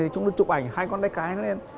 chúng tôi chụp ảnh hai con tay cái lên